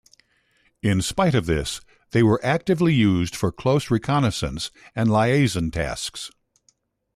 In spite of this, they were actively used for close reconnaissance and liaison tasks.